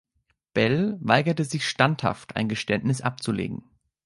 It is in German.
Belle weigerte sich standhaft, ein Geständnis abzulegen.